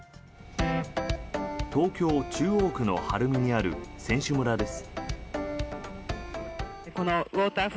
東京・中央区の晴海にある選手村です。